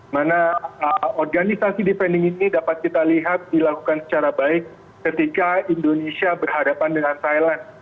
mana organisasi defending ini dapat kita lihat dilakukan secara baik ketika indonesia berhadapan dengan thailand